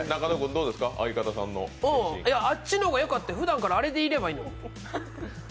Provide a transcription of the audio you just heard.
あっちの方がよかったよ、ふだんからあれでいればいいのに。